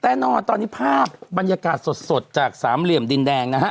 แน่นอนตอนนี้ภาพบรรยากาศสดจากสามเหลี่ยมดินแดงนะฮะ